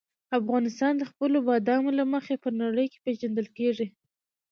افغانستان د خپلو بادامو له مخې په نړۍ کې پېژندل کېږي.